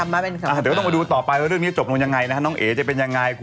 มึงนี่นะ